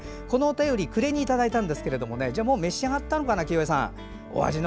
このお便りは暮れにいただいたんですがじゃあもう召し上がったのかな清江さん。